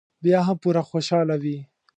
بیا به هم پوره خوشاله وي.